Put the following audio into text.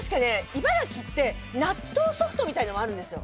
茨城って納豆ソフトみたいなのもあるんですよ